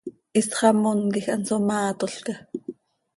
Isxamón quij hanso maatolca.